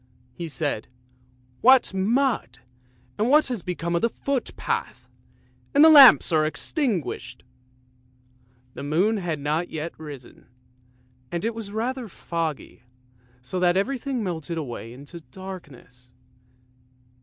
he said; "what mud; and what has become of the footpath? And the lamps are extinguished! " The moon had not yet risen, and it was rather foggy, so that everything melted away into darkness.